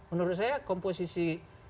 menurut saya komposisi